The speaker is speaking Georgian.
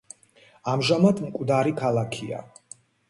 ამჟამად მკვდარი ქალაქია.